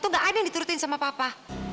tuh gak ada yang diturutin sama papa